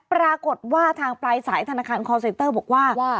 ปรากฏว่าทางปลายสายธนาคารคอลเซนเตอร์บอกว่า